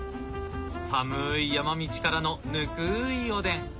寒い山道からのぬくいおでん。